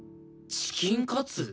チキンカツ！？